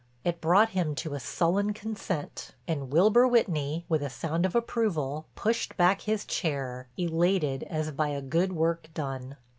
It brought him to a sullen consent, and Wilbur Whitney, with a sound of approval, pushed back his chair, elated as by a good work done.